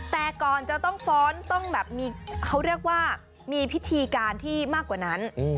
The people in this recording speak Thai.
แต่ก่อนจะต้องฟ้อนต้องแบบมีเขาเรียกว่ามีพิธีการที่มากกว่านั้น